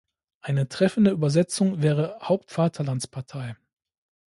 Eine treffende Übersetzung wäre Haupt-Vaterlands-Partei.